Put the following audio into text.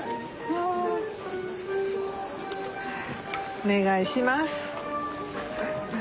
お願いします。